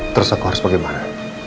terus aku harus bagaimana